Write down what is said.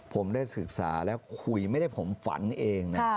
ผมได้ศึกษาแล้วคุยไม่ได้ผมฝันเองนะ